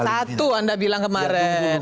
satu anda bilang kemarin